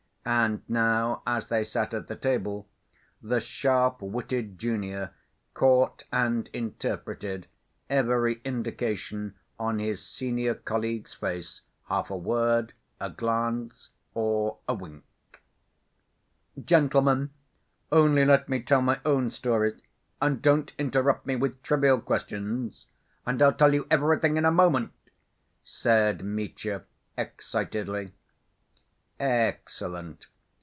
And now as they sat at the table, the sharp‐witted junior caught and interpreted every indication on his senior colleague's face—half a word, a glance, or a wink. "Gentlemen, only let me tell my own story and don't interrupt me with trivial questions and I'll tell you everything in a moment," said Mitya excitedly. "Excellent!